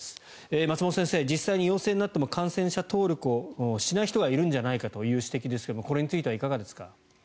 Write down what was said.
松本先生、実際に陽性になっても感染者登録をしない人がいるんじゃないかという指摘ですがこれについてはいかがですか。